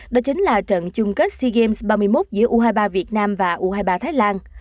đó chính là trận chung kết sea games ba mươi một giữa u hai mươi ba việt nam và u hai mươi ba thái lan